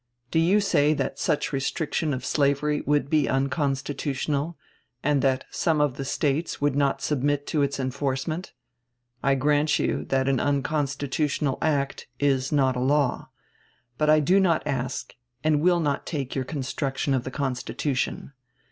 Do you say that such restriction of slavery would be unconstitutional, and that some of the States would not submit to its enforcement? I grant you that an unconstitutional act is not a law; but I do not ask and will not take your construction of the Constitution.